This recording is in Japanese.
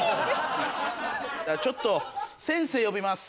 ちょっと先生呼びます。